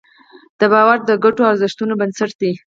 دا باور د ګډو ارزښتونو بنسټ دی.